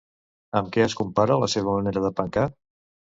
Amb què es compara la seva manera de pencar?